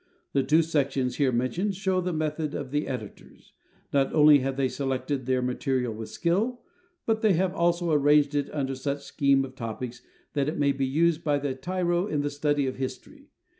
The two sections here mentioned show the method of the editors. Not only have they selected their material with skill, but they have also arranged it under such a scheme of topics that it may be used by the tyro in the study of history.